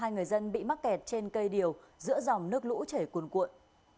hai người dân bị mắc kẹt trên cây điều giữa dòng nước lũ chảy cuồn cuộn